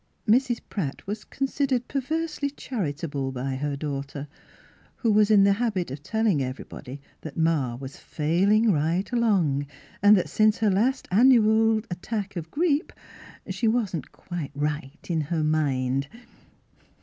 Mrs. Pratt was considered perversely charitable by her daughter, who w^as in the habit of telling everybody that ma was failing right along, and that since her last annual attack of grippe she wasn't quite right in her mind.